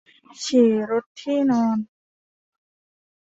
ฉี่รดที่นอน